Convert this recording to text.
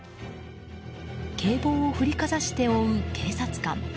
警棒を振りかざして追う警察官。